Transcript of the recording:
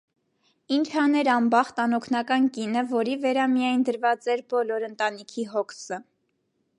Ի՞նչ աներ անբախտ, անօգնական կինը, որի վերա միայն դրված էր բոլոր ընտանիքի հոգսը…